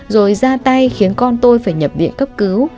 rồi ra tay khiến con tôi phải nhập viện cấp cứu